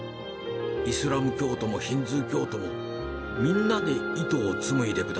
イスラム教徒もヒンズー教徒もみんなで糸を紡いで下さい」。